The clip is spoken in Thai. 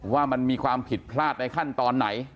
ว่ามันมีความผิดพลาดในขั้นตอนไหน